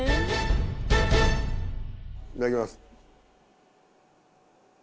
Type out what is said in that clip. いただきます。